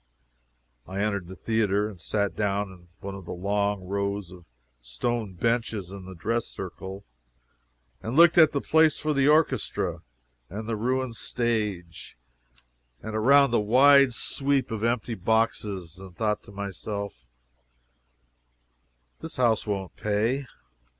I entered the theatre, and sat down in one of the long rows of stone benches in the dress circle, and looked at the place for the orchestra, and the ruined stage, and around at the wide sweep of empty boxes, and thought to myself, "This house won't pay."